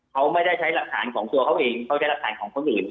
เขาไม่ได้ใช้หลักฐานของตัวเขาเองเขาใช้หลักฐานของคนอื่น